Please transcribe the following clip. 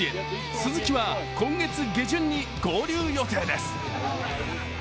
鈴木は今月下旬に合流予定です。